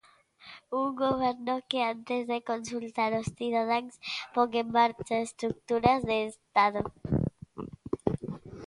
Un goberno que antes de consultar os cidadáns pon en marcha estruturas de Estado.